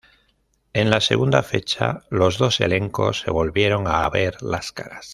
En la segunda fecha, los dos elencos se volvieron a ver las caras.